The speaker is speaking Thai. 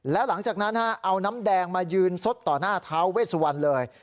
แล้วหลังจากนั้นเอาน้ำแดงมายืนซดต่อหน้าท้าเวสวันเลย